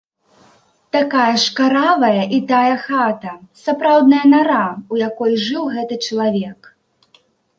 Такая ж каравая і тая хата, сапраўдная нара, у якой жыў гэты чалавек.